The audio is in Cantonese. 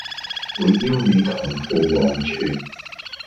會邀你同赴黃泉